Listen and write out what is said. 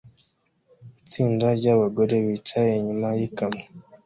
Itsinda ryabagore bicaye inyuma yikamyo